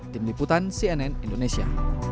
tim liputan cnn indonesia